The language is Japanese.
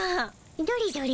どれどれ？